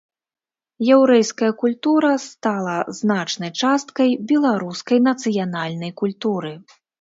Яўрэйская культура стала значнай часткай беларускай нацыянальнай культуры.